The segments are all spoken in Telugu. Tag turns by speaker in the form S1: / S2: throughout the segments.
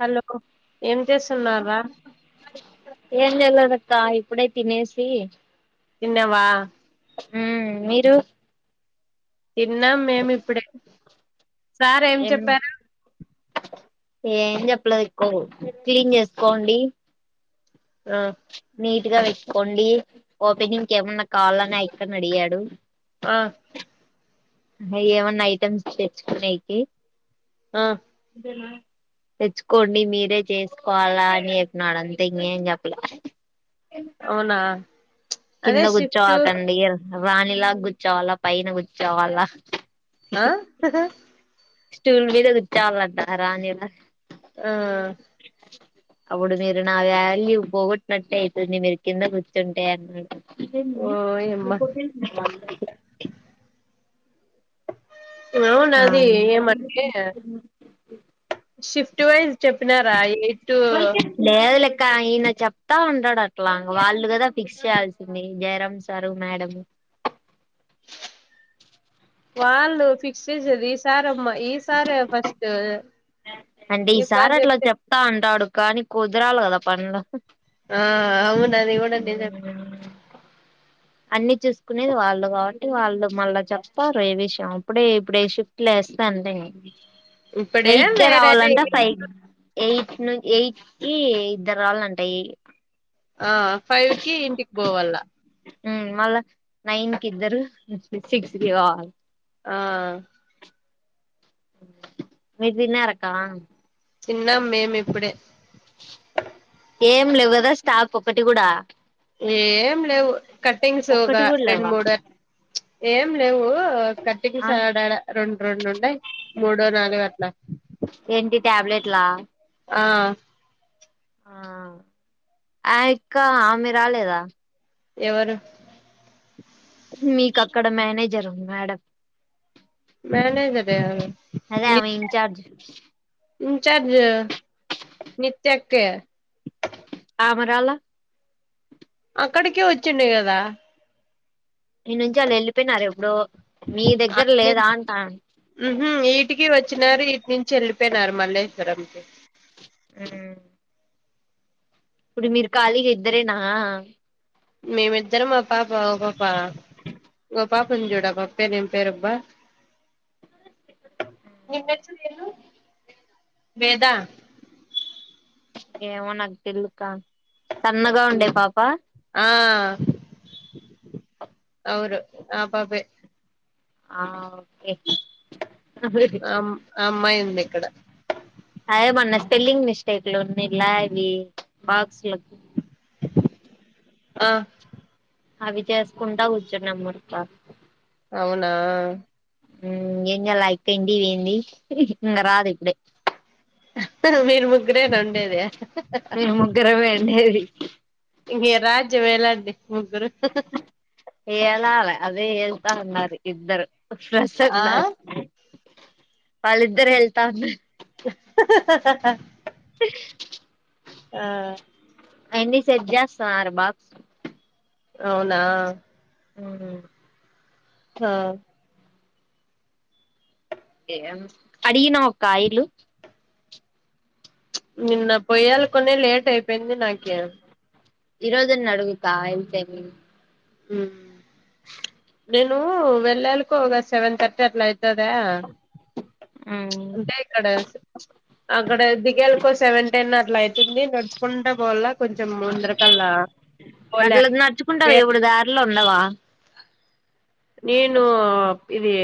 S1: హలో ఏం చేస్తున్నవ్ రా
S2: అక్క ఇప్పుడే తినేసి
S1: తిన్నావా
S2: హ మీరు
S1: తిన్నాం మేమిప్పుడే సార్ ఏం చెప్పారు
S2: ల ఎక్కువ క్లీన్ చేసుకోండి
S1: ఆ
S2: నీట్ గా పెట్కోండి ఓపెనింగ్కి ఏమన్నా కావాలా అని ఆ అక్కని అడిగాడు
S1: ఆ
S2: ఏమన్నా ఐటమ్స్ తెచ్చుకున్నాయికి
S1: ఆ
S2: అనా తెచ్చుకోండి మీరే చేసుకోవాలా అని చెప్పినాడు అంతే ఇం అం చెప్పలే
S1: అవునా అదే
S2: కింద
S1: షిఫ్ట్
S2: కూర్చోవాకండి రాణిలాగా కూర్చోవాలా పైన కూర్చోవాలా
S1: ఆ
S2: స్టూల్ మీద చాల అంట రానిలా
S1: ఆ
S2: అప్పుడు మీరు నా వ్యాలీ పోగొట్నట్టటు అవుతుంది మీరు కింద కూర్చుంటాయి అ
S1: ఓయమ్మా
S2: ఇ మ ఆ
S1: అవునది ఏమంటే షిఫ్ట్ వైజ్ చెప్పినారా ఎయి ూ
S2: ఇంకా ఆయన చెప్తా ఉంటాడు అట్లా వాళ్ళు కదా ఫిక్స్ చేయాల్సింది జయరాం సారు మేడ
S1: వాళ్ళు ఫిక్స్ చేసేది ఈ సార్ అమ్మ ఈ సారి ఫస్ట్
S2: అంటే ఈసారి అట్లా చెప్తా అంటాడు కానీ కుదరాలి కదా పనులు
S1: ఆ అవునాది కూడా నిజమే
S2: అన్ని చూసుకునేది వాళ్ళు కాబట్టి వాళ్ళు మళ్ళా చెప్తారు ఏ విషయం ఇప్పుడే షిఫ్ట్ లు లేస్త సండే
S1: ఇప్పుడే
S2: ఎయిట్కే రావాలంటే
S1: వేరైనా
S2: ఫైవ్ ఎయి నువ్ ఎయిట్కి ఇద్దరు రాళ్ళ అంటా ఎయిట్
S1: ఆ ఫైవ్ కి ఇంటికి పోవాల్లా
S2: హ్మ్ మళ్ళా నైన్ కి ఇద్దరు సిక్స్ కి కావాలి
S1: ఆ
S2: మీరు తిన్నారక్క
S1: తిన్నం మేము ఇప్పుడే
S2: ఏం లేవు కదా స్టాక్ ఒకటి కూడా
S1: ఏం లేవు కటింగ్స్ ఒక
S2: ఒక్కటి కూడా
S1: రెండు
S2: లేవా
S1: మూడు చ్ ఏం లేవు కట్టేకి
S2: ఆ
S1: సడాడా రెన్ రెండు ఉండయ్ మూడో నాలుగో అట్లా
S2: ఏంటి ట్యాబ్లెట్లా
S1: ఆ
S2: ఆమ్ ఆయక్క ఆమె రాలేదా
S1: ఎవరు
S2: మీకు అక్కడ మేనేజర్ ఉంది మేడం
S1: మేలే కదా
S2: అదే ఆమె ఇన్చార్జ్
S1: ఇన్చార్జ్ నిత్య అక్కే
S2: ఆమె రాలా
S1: అక్కడకే వచ్చిండ్య కదా
S2: ఈ నుంచి వాళ్ళు వెళ్ళిపోయినారు ఎప్పుడో మీ దగ్గర లేదా అంటా.
S1: హ్మ్ హు వీటికి వచ్చినారు వీటి నుంచి వెళ్ళిపోయినారు మల్లేశ్వరం కి
S2: హ్మ్ ఇప్పుడు మీరు ఖాళీగా ఇద్దరేనా
S1: మేమిద్దరం ఓహ్ పాప ఓ పాప ఓ పాప ఉంది చూడు ఆ పాప పేరు ఏం పేరబ్బా [inaudible] వేద
S2: ఏమో నాకు తెలుదుకా సన్నగా
S1: ఉమ్
S2: ఉండే పాప
S1: ఆ అవును ఆ పాపే
S2: ఆ ఓకే
S1: ఆమ్ అమ్మాయి ఉంది ఇక్కడ
S2: అదే మొన్నా స్పెల్లింగ్ మిస్టేక్లు ఉన్ని ఉండలా ఇవి బాక్స్ లకు
S1: ఆ
S2: అవి చేసుకుంటా కూర్చున్నాము నవ్వుతా
S1: అవునా
S2: హ్మ్ ఏం చేయల్లా ఆయక్క ఇంటికి పోయింది ఇంకా రాదు ఇప్పుడే
S1: మీరు ముగ్గురేనా ఉండేది
S2: మేము ముగ్గురమే ఉండేది
S1: ఇగ రాజ్యమేలండి ముగ్గురు హ్మ్ హు
S2: ఏలాల అదే ఎళ్తా అన్నారు ఇద్దరు ఫ్రెష్
S1: ఆ
S2: అవుతున్నారు ఇద్దరు వాళ్లిద్దరు ఎల్తా అన్నారు
S1: హ హ హ హ ఆ
S2: ఆయన్ని సెట్ చేస్తానారు బాక్స్
S1: అవునా
S2: ఉ
S1: హా
S2: అడిగినా ఒక కాయలు
S1: నిన్న పోయ్యాలి కొన్ని లేట్ అయిపోయింది నాకే
S2: ఈ రోజని అడుగుతా వెళ్తేామి
S1: ఉ నేను వెళ్ళాలకో ఒక సెవెన్ థర్టీ అట్లా అవుతుదా ంటే ఇక్కడ అక్కడ దిగలకో సెవెన్ టెన్ అట్లా అవుతుంది నడుచుకుంట పోల్ల కొంచెం ముందరికల్లా
S2: అట్ల నడుచ్చుకుంటావా ఎప్పుడు దారిలో ఉండవా
S1: నేను ఇదది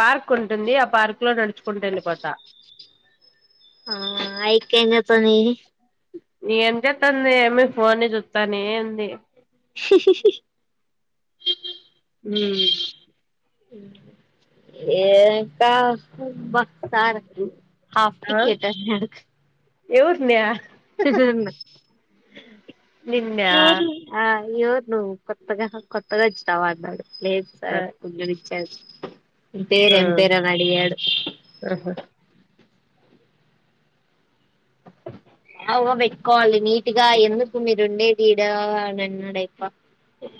S1: పార్క్ ఉంటుంది ఆ పార్క్ లో నడుచుకుంటా వెళ్ళడిపోత
S2: ఆ ఐ కంగాతని
S1: ఏం చేస్తాంది ఏమి ఫోన్ని చూస్తాను ఏంది
S2: స
S1: హ
S2: ఏకా సార్ హాఫ్ టికెట్ అ
S1: ఎవజ నయా నిన్న
S2: అయ్యోరు నువ్వు కొత్తగా కొత్తగా ఇచ్చినావా అన్నాడు లేదు
S1: ఆ
S2: సార్ కొం ఇచ్చ పేరు
S1: ఆ
S2: ఎం పేరు అని అడిగాడు
S1: ఆహా
S2: ఎకువ పెట్టుకోవాలి నీట్ గా ఎందుకు మీరు ఉండే తడా అని అన్నాడైప్ప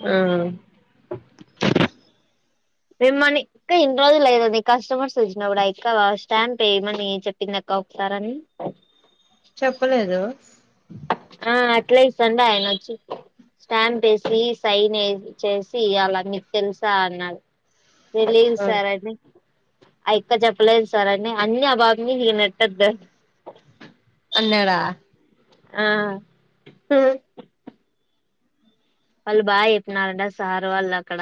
S1: ఆ
S2: మిమ్మని ఇంకా ఇన్ని రోజులు లేదుం కస్టమర్స్ వచ్చినా కూడా ఇంకా స్టాంప్ వేయమని చెప్పింది కౌపుతారాని
S1: చెప్పలేదు
S2: అట్లా సంండయ నుచ్చ స్టాంప్ వేసి సైన్ చేసి అలా మీకు తెలుసా అన్నారు తె లేదు
S1: ఆ
S2: సార అండి ఇక్క చెప్పలేదు సార్ అని అన్ని ఆ బాబ మీ నెట్టదు
S1: పన్నడ
S2: ఆ
S1: హ
S2: వాళ్ళు బాగా చెప్పినారంట సార్ వాళ్ళు అక్కడ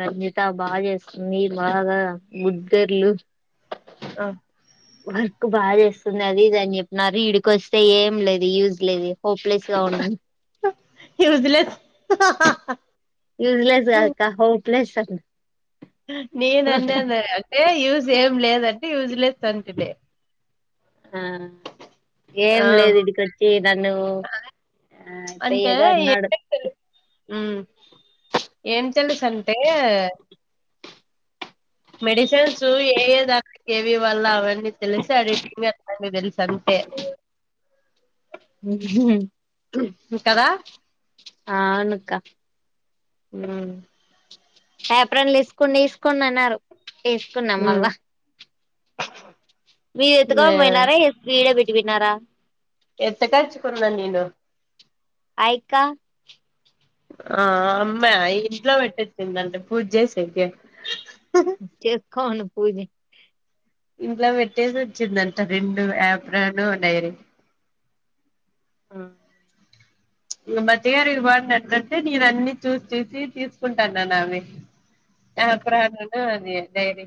S2: రంజిత బాగా చేస్తుంది బాగా ముద్దర్లు
S1: ఆ
S2: వర్క్ బాగా చేస్తుంది అది ఇదిని చెప్పినారు ఇడికి వస్తే ఏం లేదు యూజ్ లేదు హోప్లెస్ గా ఉ
S1: యూజ్లెస్
S2: యూజ్లెస్ కాదుక హోప్లెస్ అది
S1: నేన అన్నా అంటే యూజ్ ఏం లేదంటే యూజ్లెస్ అంటలే
S2: ఆ ఏం
S1: ఆ
S2: లేదు ఇడికిచ్చి నన్ను ఆ ఇప్ప
S1: అంటే
S2: ఏదో అన్నాడు
S1: ఎారు ఉ ఏం తెలుసు అంటే మెడిసిన్స్ ఏ ఏ దా ఏవి వాళ్ళ అవన్నీ తెలిసి అ తెలుసి అంతే అ కదా
S2: ఆ అవునుక్క
S1: అ
S2: పేపరన్లు తీసుకుని తీసుకని అన్నారు తీసుకున్నాం
S1: ఉమ్,
S2: మళ్ళా మీ ఎతగా
S1: ఆ
S2: వినారా ఎ విడ బటి వినారా
S1: ఎంత ఖర్చుకురు న నిను
S2: యక్క
S1: ఆ అమ్మా ఇంట్లో పెట్టటిచ్చిందండి పూజ చే సరిగ్గ
S2: చెక్కను పూజ
S1: ఇంట్లో పెట్టేసి వచ్చిందంట రెండు యాప్రాలు ఉన్నాయి ర
S2: ఆ
S1: ఈ మతిగారు ఇది బడినట్ంటే నేను అన్ని చూసి చూసి తీసుకుంటాన్నాను అవి ఆ ప్రను అది డైరి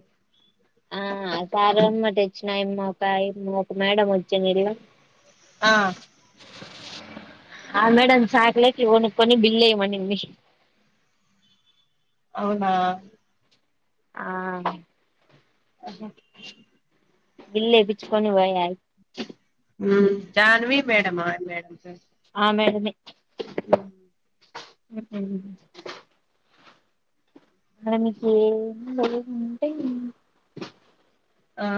S2: ఆ సారు అమ్మ తెచ్చిన అమ్మక అమ్మ ఒక మేడం వచ్చనిల్ల
S1: ఆ
S2: ఆ మేడ సాక్లేకి ఓను కొని బిల్ళ మనీ
S1: అవునా
S2: ఆ
S1: అ
S2: బిల్లే వేయించుకోని వారు
S1: జాహన్వీ మేడంమ్ మేడ
S2: ఆ
S1: ఉ
S2: ఉ అలా మీకు ఏ ఉంటా
S1: ఆ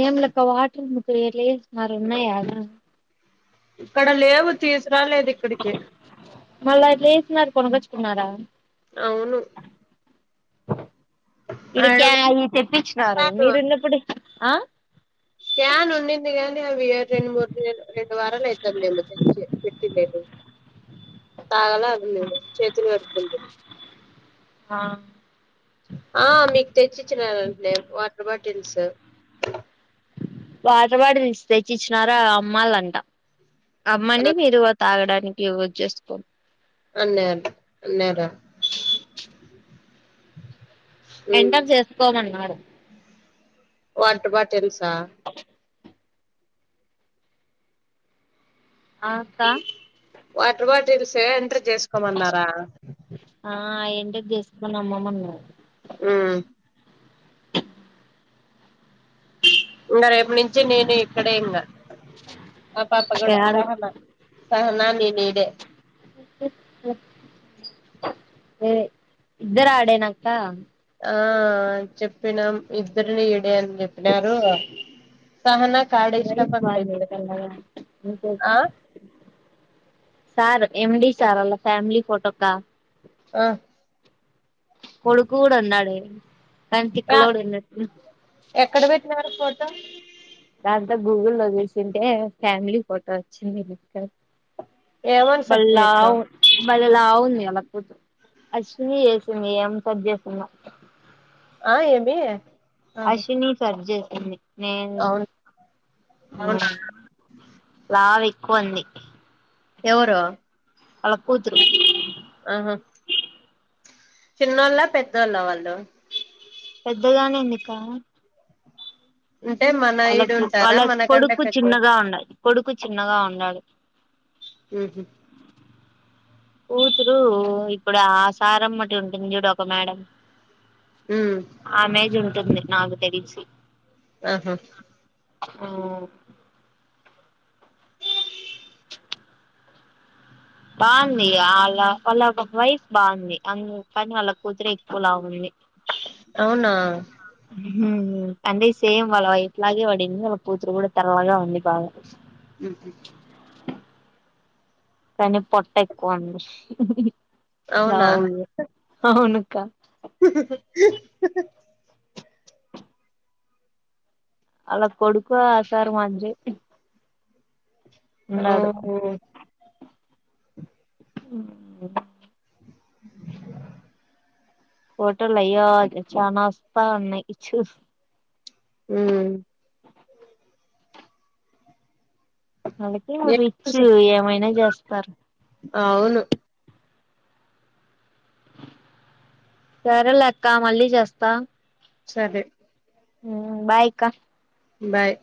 S2: ఏంలక్క వాటర్ ముకులి మారున్నా ద
S1: ఇక్కడ లేవు తీసురాలేదు ఇక్కడికి
S2: మళ్ళా లేస్తున్నారు కొనగచ్చుకున్నారా
S1: అవును ఆడ
S2: ఇడికి అ తెప్పించినారు
S1: రకాలు
S2: మీరున్నప్పుడు ఆ
S1: క్యాన్ ఉండింది గానీ అవి రెండు మూర్ రెండు వారాల అవుతుది న మ పెట్టి తాగాల అదిలే చేతులు కడుతు
S2: ఆ
S1: ఆ స [unintelligible]
S2: వాటర్ బాటిల్ తెచ్చి ఇచ్చినారా అమ్మళంట అమ్మండి
S1: అన్నారు
S2: మీరు తాగడానికి యూజ్ చేసుకో
S1: అన్నే అన్నేరా
S2: ఎంటర్ చేసుకోమన్నారు
S1: వాటర్ బాటిల్స్ హా
S2: ఆ సా
S1: వాటర్ బాటిల్స్ ఏ ఎంటర్ చేసుకోమన్నారా
S2: చేసుమని అమ్మమన్నారు
S1: ఉం ఇంకా రేపు నుంచి నేను ఇక్కడే ఇంకా ఆ పాప కూడా
S2: యాడ
S1: సరేనా సహనా ననిడ [unintelligible]
S2: ఇద్దరు ఆడేనక్క
S1: ఆ చెప్పినాం ఇద్దరుని ఈడే అని చెప్పినారు సహనా కార్డ ఇష్ట
S2: వయసు బాగుంది
S1: బంతాే
S2: తెల్లగా ఇంకోటి
S1: ఆ [unintelligible]
S2: సార్ ఎమ్ డి సార్ వాళ్ల ఫ్యామిలీ ఫోటోకా
S1: ఆ
S2: కొడుకుకూడా ఉన్నాడే కానీ
S1: ఆ
S2: తిక్కలోడు ఉన్నట్టు
S1: ఎక్కడ పెట్టినారు ఫోటో
S2: అంతా గూగుల్లో లో చూసింటే ఫ్యామిలీ ఫోటో వచ్చింది మీకా
S1: ఏమని సెర్చ్ చేసినావు
S2: బళ్లావు బల్ల ళ్లావు కపోతు అశని చేసింది ఏం సది చేస్తుంద [unintelligible]
S1: ఆ ఏమి ఆహా
S2: అశ్విని సరి చేసింది నేను
S1: అవును అవునా
S2: లావు ఎక్కువ ఉంది
S1: ఎవరు
S2: వాళ్ల కూతురు
S1: ఆహా చిన్నోళ్ళ పెద్దోళ్ళ వాళ్ళు
S2: పెద్దగానే ఎందిక
S1: అంటే మన
S2: వాళ్ళ
S1: ఈడు ఉంటారా
S2: వాళ్ళ
S1: మనకంటే
S2: కొడుకు
S1: పెద్ద
S2: చిన్నగా ఉండాలి కొడుకు చిన్నగా ఉండాడు
S1: ఆహ
S2: కూతురు ఇప్పుడు ఆ సారంమ్మటి ఉంటుంది చూడు ఒక మేడం
S1: ఉ
S2: ఆమె ఏజ్ ఉంటుంది నాకు తెలిసి
S1: ఆహా
S2: ఉం బాగుంది వాళ్ళ వాళ్ళ వైఫ్ బాగుంది అందు కాని వాళ్ళ కుతురే ఎక్కువ లావు ఉంది
S1: అవునా
S2: అంటే సేమ్ వాళ్ళ వైఫ్ లాగే వాడింది వాళ్ళ కూతురు కూడా తెల్లాగా ఉంది బాగ
S1: ఉ హమ్
S2: కానీ పొట్ట ఎక్కువంది
S1: అవునా
S2: లావు అవును అలా కొడుకు ఆసారుమాజ [unintelligible]
S1: ఓహో
S2: ఫటలయ చ న వస్తా ఉన్నాయి [unintelligible]
S1: ఉం
S2: అళ్లాకిమో రిచ్ ఏమైనా చేస్తారు
S1: అవును
S2: సరేలే అక్క మళ్ళీ చేస్తా
S1: సరే
S2: బాయ్ ఇకా
S1: బాయ్